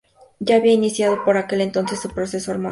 Ya había iniciado por aquel entonces su proceso hormonal.